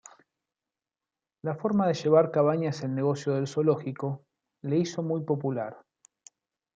La forma de llevar Cabañas el negocio del zoológico le hizo muy popular.